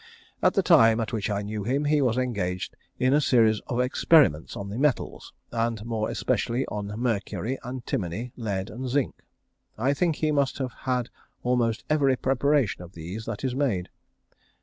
At the time at which I knew him, he was engaged in a series of experiments on the metals, and more especially on mercury, antimony, lead, and zinc. I think he must have had almost every preparation of these that is made.